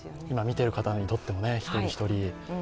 今、見ている方にとっても、お一人お一人。